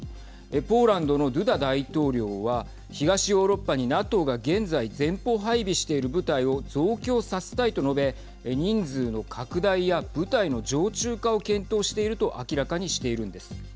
ポーランドのドゥダ大統領は東ヨーロッパにＮＡＴＯが現在前方配備している部隊を増強させたいと述べ人数の拡大や部隊の常駐化を検討していると明らかにしているんです。